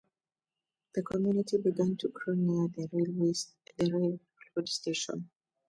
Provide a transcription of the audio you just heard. The community began to grow near the railroad station.